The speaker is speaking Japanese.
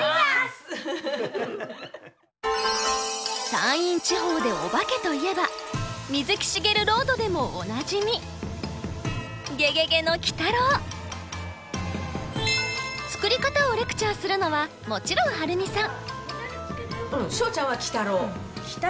山陰地方でおばけといえば水木しげるロードでもおなじみ作り方をレクチャーするのはもちろん晴美さん。